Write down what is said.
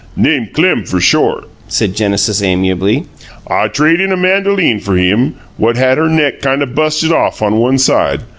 "Name Clem fer short," said Genesis, amiably. "I trade in a mandoline fer him what had her neck kind o' busted off on one side.